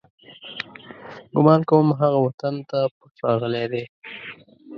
ګمان کوم، هغه وطن ته پټ راغلی دی.